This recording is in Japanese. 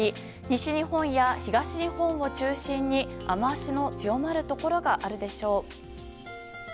西日本や東日本を中心に雨脚の強まるところがあるでしょう。